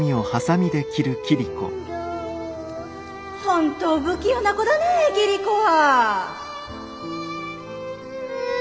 本当不器用な子だねぇ桐子は。